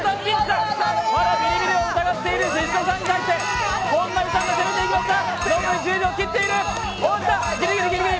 まだビリビリを疑っている宍戸さんを本並さんが攻めていきました。